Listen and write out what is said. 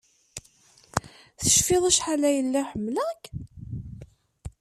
Tecfiḍ acḥal ay lliɣ ḥemmleɣ-k?